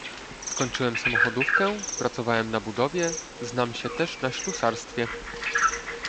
Skończyłem samochodówkę, pracowałem na budowie, znam się też na ślusarstwie.